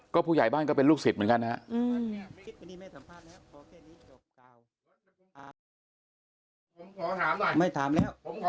ก็ผู้ใหญ่บ้านก็เป็นลูกศิษย์เหมือนกันนะฮะอืมไม่ถามหน่อยไม่ถามแล้ว